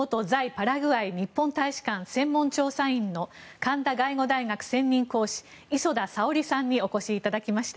パラグアイ日本大使館専門調査員の神田外語大学専任講師磯田沙織さんにお越しいただきました。